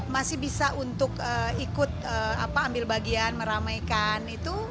masih bisa untuk ikut ambil bagian meramaikan itu